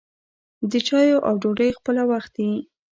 د چايو او ډوډۍ خپله وخت يي.